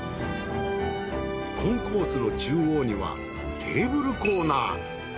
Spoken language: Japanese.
コンコースの中央にはテーブルコーナー。